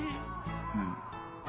うん。